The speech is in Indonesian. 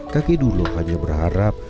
kakek dulo hanya berharap